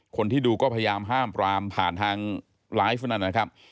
คนที่ดูก็พยายามห้ามปรามผ่านทางไลฟ์นั้นนะครับ